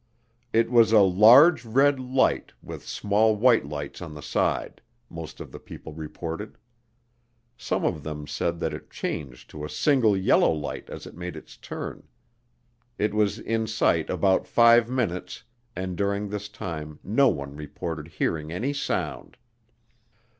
It was a "large red light with small white lights on the side," most of the people reported. Some of them said that it changed to a single yellow light as it made its turn. It was in sight about five minutes, and during this time no one reported hearing any sound.